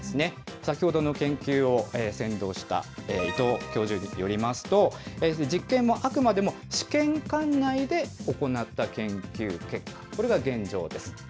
先ほどの研究を先導した伊藤教授によりますと、実験もあくまでも試験管内で行った研究結果、これが現状です。